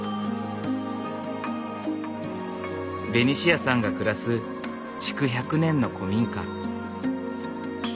ベニシアさんが暮らす築１００年の古民家。